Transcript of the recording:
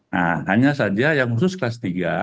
nah hanya saja yang khusus kelas tiga